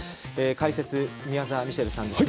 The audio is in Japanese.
解説、宮澤ミシェルさんです。